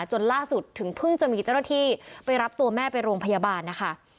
จนล่าสุดถึงเพิ่งจะมีเจ้าหน้าที่ไปรับตัวแม่ไปโรงพยาบาลนะคะ